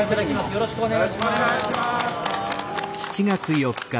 よろしくお願いします！